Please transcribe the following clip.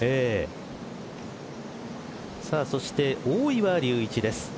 そして大岩龍一です。